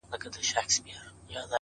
دا احسان دي لا پر ځان نه دی منلی-